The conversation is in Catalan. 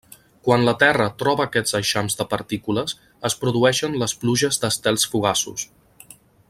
Quan la Terra troba aquests eixams de partícules es produeixen les pluges d'estels fugaços.